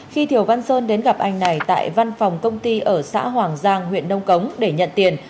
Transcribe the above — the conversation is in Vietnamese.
khi thiều văn sơn đến gặp anh này tại văn phòng công ty ở xã hoàng giang huyện nông cống để nhận tiền